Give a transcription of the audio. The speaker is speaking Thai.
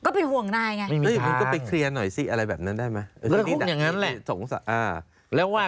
อ่าเหรอก็ไปห่วงนายไง